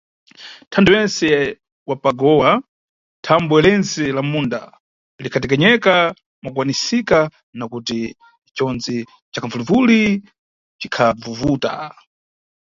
Ntantho wentse wa pa gowa, thambwe lentse lammunda likhatekenyeka mwakukhwimika, nakuti conzi ca kabvumvuli cikhavuvuta.